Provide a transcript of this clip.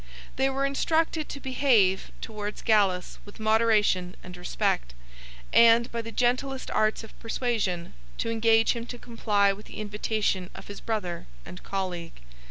They were instructed to behave towards Gallus with moderation and respect, and, by the gentlest arts of persuasion, to engage him to comply with the invitation of his brother and colleague.